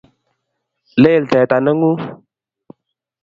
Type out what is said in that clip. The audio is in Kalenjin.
Lel teta ne ng'ung'.